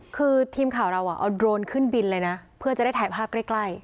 คือทีมข่าวเราเอาโดรนขึ้นบินเลยนะเพื่อจะได้ถ่ายภาพใกล้